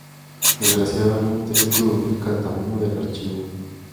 Desgraciadamente esto duplica el tamaño del archivo.